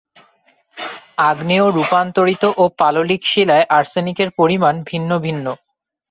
আগ্নেয়, রূপান্তরিত ও পাললিক শিলায় আর্সেনিকের পরিমাণ ভিন্ন ভিন্ন।